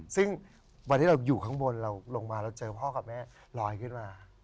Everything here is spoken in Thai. ซึ่งวันที่เราอยู่ข้างบนเราลงมาเราเจอพ่อกับแม่ลอยขึ้นมา